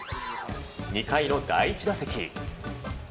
２回の第１打席。